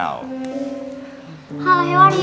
oke kamu bisa mulai sekarang